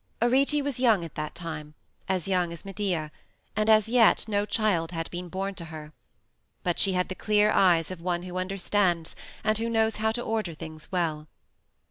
Arete was young at that time, as young as Medea, and as yet no child had been born to her. But she had the clear eyes of one who understands, and who knows how to order things well.